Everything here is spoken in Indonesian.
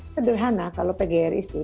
sederhana kalau pgri sih